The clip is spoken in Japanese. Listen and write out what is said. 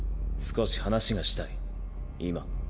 少し話がしたい今。